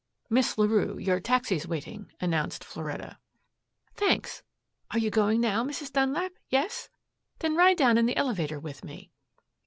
"Miss Larue, your taxi's waiting," announced Floretta. "Thanks. Are you going now, Mrs. Dunlap? Yes? Then ride down in the elevator with me."